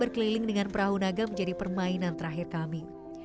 berkeliling dengan perahu naga menjadi permainan terakhir kami